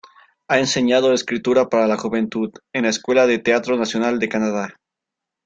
Ha enseñado escritura para la juventud, en la Escuela de Teatro Nacional de Canadá.